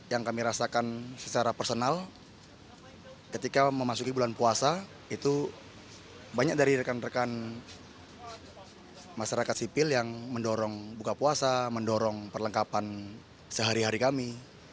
yang kami rasakan secara personal ketika memasuki bulan puasa itu banyak dari rekan rekan masyarakat sipil yang mendorong buka puasa mendorong perlengkapan sehari hari kami